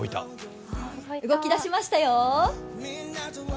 動き出しましたよ。